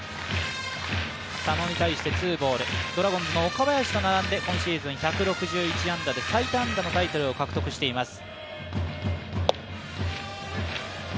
ドラゴンズの岡林と並んで、今シーズン１６１安打で最多安打のタイトルを獲得しています。